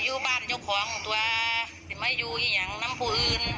อยู่บ้านเจ้าของตัวอยู่นี่อย่างน้ำผู้อื่น